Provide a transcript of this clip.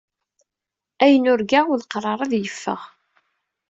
Ayen urgaɣ ulaqrar ad yeffeɣ.